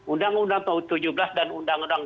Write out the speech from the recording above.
undang undang tahun tujuh belas dan undang undang